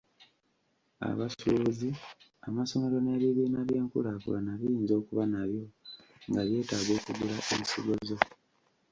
Abasuubuzi, amasomero n’ebibiina by’enkulaakulana biyinza okuba nabyo nga byetaaga okugula ensigo zo.